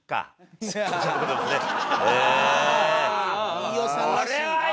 飯尾さんらしい。